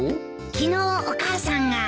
昨日お母さんが。